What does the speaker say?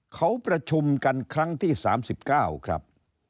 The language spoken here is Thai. เขาประชุมกันครั้งที่๓๙ครับ